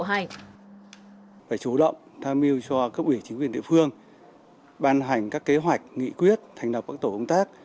phải chủ động tham mưu cho cấp ủy chính quyền địa phương ban hành các kế hoạch nghị quyết thành lập các tổ công tác